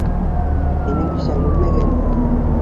Һинең бисәң үлмәгән.